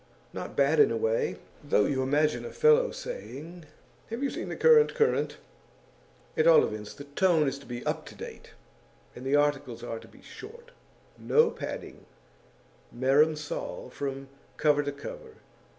Not bad, in a way; though you imagine a fellow saying "Have you seen the current Current?" At all events, the tone is to be up to date, and the articles are to be short; no padding, merum sal from cover to cover.